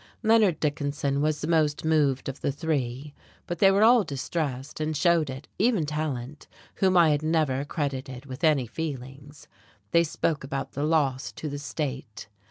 Leonard Dickinson was the most moved of the three; but they were all distressed, and showed it even Tallant, whom I had never credited with any feelings; they spoke about the loss to the state.